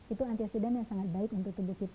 itu antioksidan yang sangat baik untuk tubuh kita